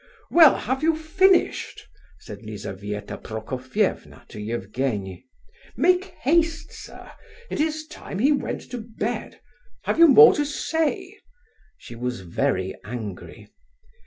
"Well, have you finished?" said Lizabetha Prokofievna to Evgenie. "Make haste, sir; it is time he went to bed. Have you more to say?" She was very angry.